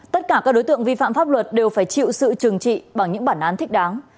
tất cả các đối tượng vi phạm pháp luật đều phải chịu sự trừng trị bằng những bản án thích đáng